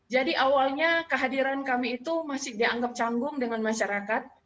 jadi awalnya kehadiran kami itu masih dianggap canggung dengan masyarakat